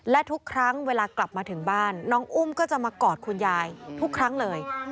และทุกครั้งเวลากลับมาถึงบ้านน้องอุ้มก็จะมากอดคุณยายทุกครั้งเลย